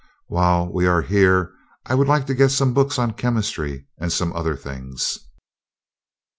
While we are here, I would like to get some books on chemistry and some other things."